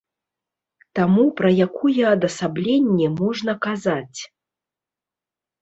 Таму пра якое адасабленне можна казаць?